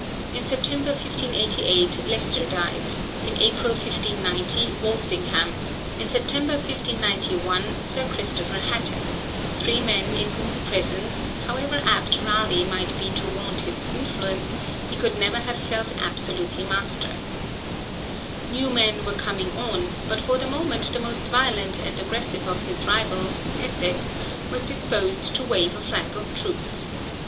In September 1588 Leicester died, in April 1590 Walsingham, in September 1591 Sir Christopher Hatton, three men in whose presence, however apt Raleigh might be to vaunt his influence, he could never have felt absolutely master. New men were coming on, but for the moment the most violent and aggressive of his rivals, Essex, was disposed to wave a flag of truce.